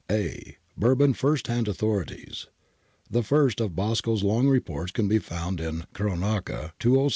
A. Bourbon first hand authorities. — The first of Bosco's long reports can be found in Cronaca, 207 209.